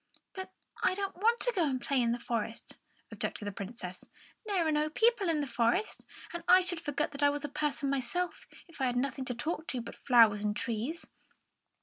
"But I don't want to go and play in the forest," objected the Princess. "There are no people in the forest; and I should forget I was a person myself, if I had nothing to talk to but the flowers and the trees."